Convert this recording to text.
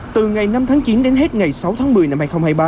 từ ngày năm tháng chín đến hết ngày sáu tháng một mươi năm hai nghìn hai mươi ba